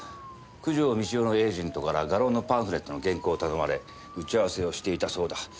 九条美千代のエージェントから画廊のパンフレットの原稿を頼まれ打ち合わせをしていたそうだ。